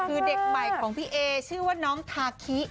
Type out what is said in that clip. คือเด็กใหม่ของพี่เอชื่อว่าน้องทาคิ